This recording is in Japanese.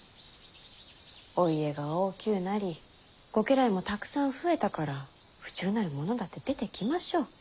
お家が大きゅうなりご家来もたくさん増えたから不忠なる者だって出てきましょう。